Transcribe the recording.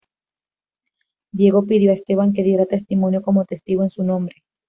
Diego pidió a Esteban que diera testimonio como testigo en su nombre.